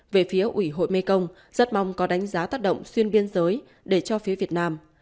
về phía ủy hội mekong rất mong có đánh giá tác động xuyên biên giới để cho phía việt nam